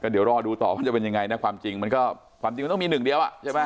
เดี๋ยวรอดูต่อว่าจะเป็นยังไงความจริงมันก็มีหนึ่งเดียว